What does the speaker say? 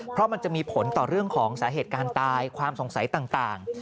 เพราะมันจะมีผลต่อเรื่องของสาเหตุการณ์ตายความสงสัยต่าง